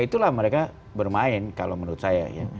itulah mereka bermain kalau menurut saya